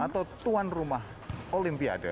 atau tuan rumah olimpiade